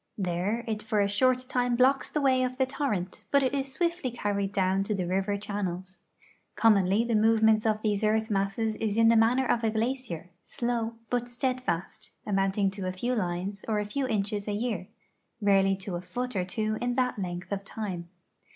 There it for a short time blocks the yvay of the torrent, but it is swiftly carried doyvn to the riy'er channels. Commonly' the moy'ements of these earth masses is in the manner of a glacier, sloyv, but steadfast, amount ing to a few lines or a few inches a year; rarely to a foot or two in that length of time.